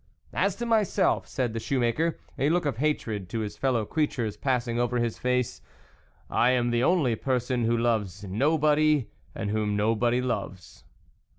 " As to myself," said the shoe maker, a look of hatred to his fellow creatures pass ing over his face, " I am the only person who loves nobody, and whom nobody loves."